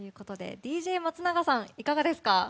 ＤＪ松永さん、いかがですか？